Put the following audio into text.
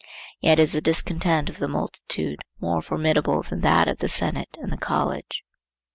Yet is the discontent of the multitude more formidable than that of the senate and the college.